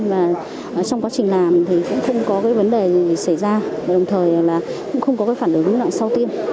và trong quá trình làm thì cũng không có cái vấn đề gì xảy ra đồng thời là cũng không có cái phản ứng nào sau tiêm